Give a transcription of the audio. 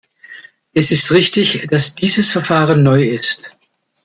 Es ist richtig, dass dieses Verfahren neu ist.